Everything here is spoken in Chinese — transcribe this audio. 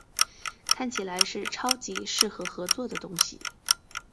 看起来是超级适合合作的东西